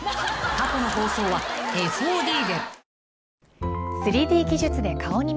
［過去の放送はＦＯＤで］